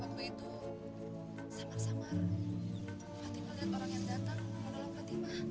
waktu itu samar samar fatimal lihat orang yang datang menolong fatimah